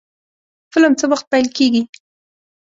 فلم څه وخت پیل کیږي؟